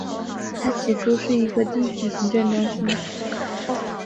它起初是一个低级行政中心。